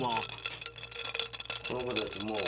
この子たちもう。